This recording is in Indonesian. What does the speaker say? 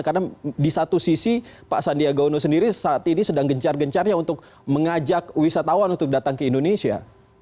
karena di satu sisi pak sandiaga uno sendiri saat ini sedang gencar gencarnya untuk mengajak wisatawan untuk datang ke indonesia